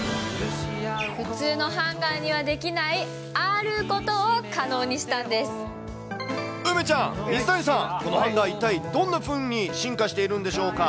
普通のハンガーにはできない梅ちゃん、水谷さん、このハンガー、一体どんなふうに進化しているんでしょうか？